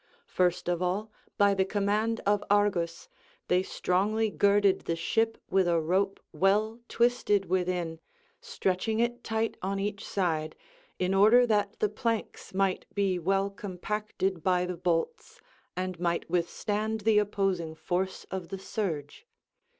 First of all, by the command of Argus, they strongly girded the ship with a rope well twisted within, stretching it tight on each side, in order that the planks might be well compacted by the bolts and might withstand the opposing force of the surge.